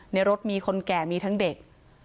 ในรถมีคนแก่มีทั้งเด็ก